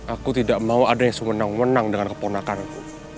aku tidak mau ada yang semenang menang dengan keponakan aku